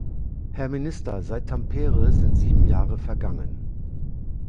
Herr Minister, seit Tampere sind sieben Jahre vergangen.